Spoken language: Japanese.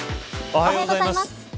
おはようございます。